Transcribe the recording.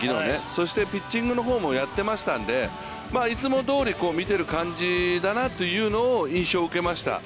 そしてピッチングの方もやっていましたのでいつもどおり見ている感じだなと印象を受けました。